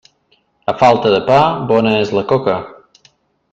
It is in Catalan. A falta de pa, bona és la coca.